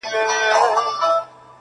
د کارګه په مخ کي وکړې ډیري غوري -